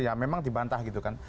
ya memang dibantah gitu kan